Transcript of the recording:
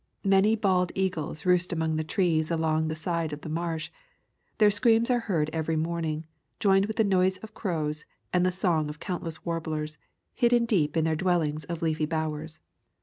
Many bald eagles roost among the trees along the side of the marsh, Their screams are heard every morning, joined with the noise of crows and the songs of countless warblers, hidden deep in their dwell ings of leafy bowers.